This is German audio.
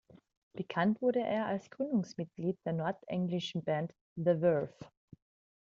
Bekannt wurde er als Gründungsmitglied der nordenglischen Band The Verve.